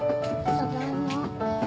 ただいま。